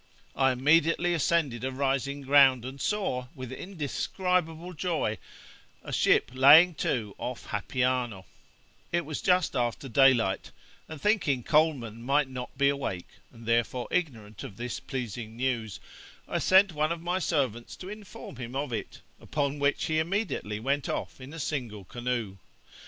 I immediately ascended a rising ground, and saw, with indescribable joy, a ship laying to off Hapiano; it was just after daylight, and thinking Coleman might not be awake, and therefore ignorant of this pleasing news, I sent one of my servants to inform him of it, upon which he immediately went off in a single canoe.